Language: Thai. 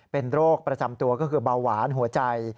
เป็นโรคประจำตัวก็คือเบาหวานหัวใจ